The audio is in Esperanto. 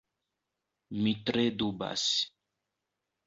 Mi tre dubas.